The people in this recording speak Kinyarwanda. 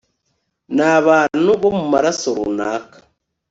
Nabantu bo mumaraso runaka